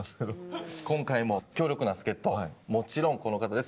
今回も強力な助っ人もちろんこの方です。